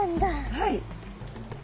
はい。